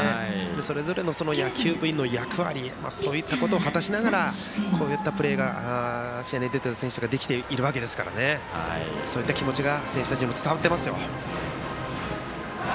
それぞれの野球部員の役割といったことを果たしながらこういった試合に出ている選手ができているわけですからそういった気持ちが選手たちにも伝わっていますよ。